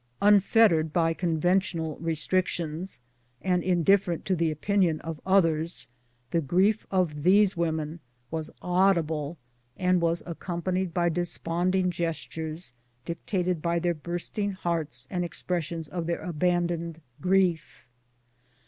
Unfettered by conventional restrictions, and indiffer ent to the opinion of others, the grief of these women was audible, and was accompanied by desponding gest ures, dictated by their bursting hearts and expressions of their abandoned grief.